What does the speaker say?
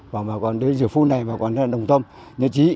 và bà con đến giữa phun này bà con rất là đồng tâm nhất trí